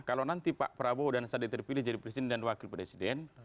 kalau nanti pak prabowo dan sandi terpilih jadi presiden dan wakil presiden